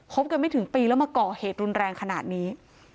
กันไม่ถึงปีแล้วมาก่อเหตุรุนแรงขนาดนี้